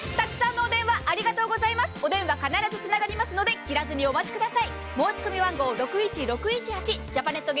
お電話必ずつながりますので切らずにお待ちください。